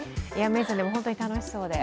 でも、本当に楽しそうで。